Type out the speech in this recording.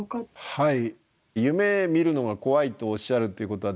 はい。